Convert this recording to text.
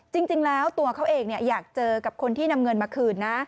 จริงแล้วตัวเขาเองอยากเจอกับคนที่นำเงินมาคืนนะ